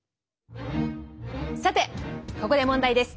さてここで問題です。